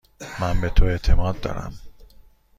من به تو اعتماد دارم.